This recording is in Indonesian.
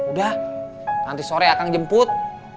udah nanti sore akan jemput